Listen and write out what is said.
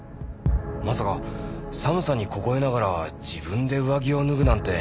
まさか寒さに凍えながら自分で上着を脱ぐなんて。